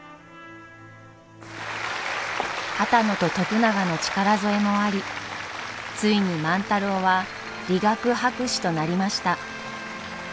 波多野と徳永の力添えもありついに万太郎は理学博士となりました。